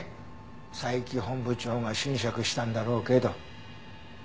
佐伯本部長が斟酌したんだろうけど。